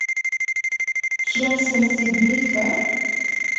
Kial sensignifa?